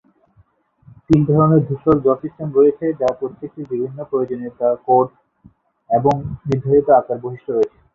তিন ধরনের ধূসর জল সিস্টেম রয়েছে যার প্রত্যেকটির বিভিন্ন প্রয়োজনীয়তা, কোড এবং নির্ধারিত আকার বৈশিষ্ট্য রয়েছে।